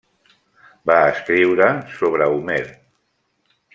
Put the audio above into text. Va escriure sobre Homer.